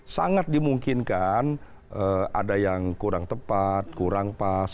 sangat dimungkinkan ada yang kurang tepat kurang pas